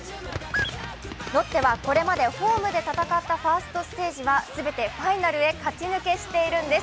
ロッテはこれまでホームで戦ったファーストステージは全てファイナルへ勝ち抜けしているんです。